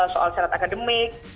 soal senat akademik